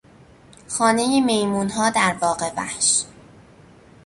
خانهی میمونها در باغ وحش